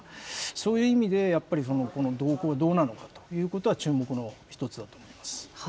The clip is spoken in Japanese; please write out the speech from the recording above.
そういう意味でやっぱり、この動向がどうなのかということは、注目の一つだと思います。